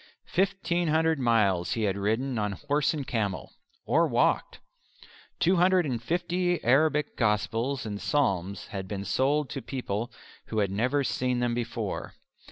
Fifteen hundred miles he had ridden on horse and camel, or walked. Two hundred and fifty Arabic Gospels and Psalms had been sold to people who had never seen them before.